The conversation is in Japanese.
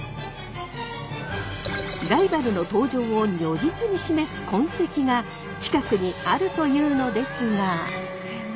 ライバルの登場を如実に示す痕跡が近くにあるというのですが。